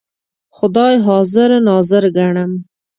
خدای حاضر ناظر ګڼم.